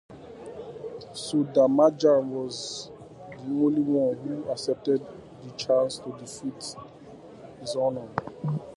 Sondermajer was the only one who accepted the chance to defend his honour.